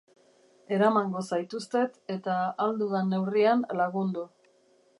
Eramango zaituztet, eta, ahal dudan neurrian, lagundu.